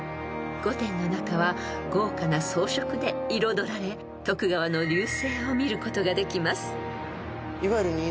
［御殿の中は豪華な装飾で彩られ徳川の隆盛を見ることができます］